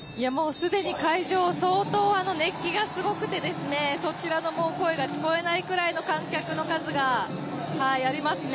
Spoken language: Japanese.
すでに会場相当熱気がすごくてそちらの声が聞こえないくらいの観客の数がありますね。